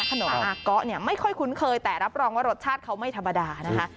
ขนมอาเกาะเนี่ยไม่ค่อยคุ้นเคยแต่รับรองว่ารสชาติเขาไม่ธรรมดานะคะ